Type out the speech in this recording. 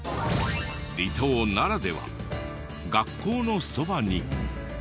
離島ならでは学校のそばに。